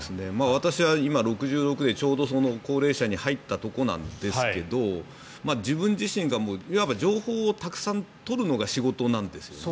私は今６６歳で高齢者に入ったところなんですが自分自身がいわば情報をたくさん取るのが仕事なんですよね。